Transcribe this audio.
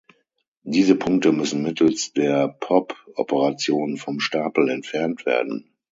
Diese Punkte müssen mittels der „pop“ Operation vom Stapel entfernt werden.